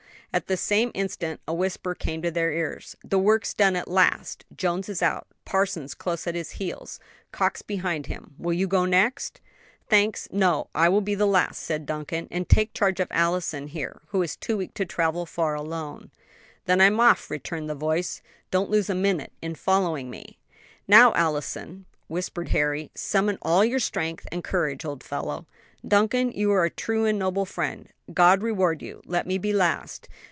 At the same instant a whisper came to their ears. "The work's done at last. Jones is out. Parsons close at his heels. Cox behind him. Will you go next?" "Thanks, no; I will be the last," said Duncan; "and take charge of Allison here, who is too weak to travel far alone." "Then I'm off," returned the voice. "Don't lose a minute in following me." "Now, Allison," whispered Harry, "summon all your strength and courage, old fellow." "Duncan, you are a true and noble friend! God reward you. Let me be last."